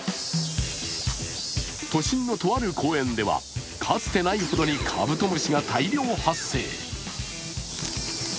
都心のとある公園では・かつてないほどにカブトムシが大量発生。